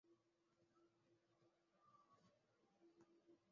Ŝi studis juron, ŝi partoprenis la ribelon, eĉ en partizana trupo.